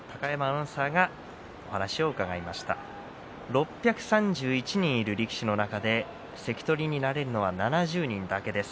６３１人いる力士の中で関取になれるのは７０人だけです。